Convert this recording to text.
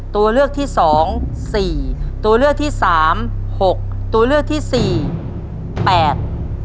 ตัวเลือกที่สองสี่ตัวเลือกที่สามหกตัวเลือกที่สี่แปด